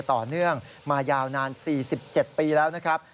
ต่อเนื่องมายาวนาน๔๗ปีแล้วนะครับ